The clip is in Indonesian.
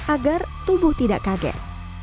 agar tubuh tidak kaget